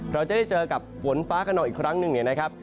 เราจะได้เจอกับฝนฟ้าขนองอีกครั้งหนึ่งเนี่ยนะครับ